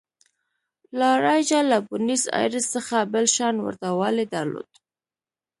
لا رایجا له بونیس ایرس څخه بل شان ورته والی درلود.